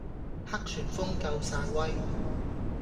黑旋風夠晒威